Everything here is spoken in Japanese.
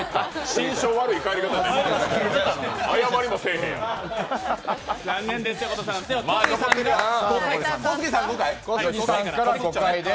心証悪い帰り方やで。